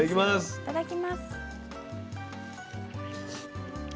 いただきます。